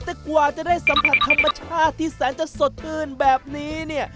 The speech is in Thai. แต่กว่าจะได้สัมผัสธรรมชาติที่แสนจะสดชื่นแบบนี้เนี่ย